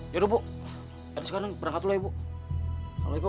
yaudah bu ada sekarang berangkat dulu ya ibu